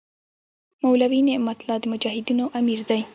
مولوي نعمت الله د مجاهدینو امیر دی.